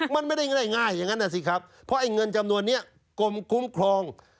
มันไม่ได้ง่ายอย่างนั้นนะสิครับเพราะไอ้เงินจำนวนนี้กรมคุ้มครอง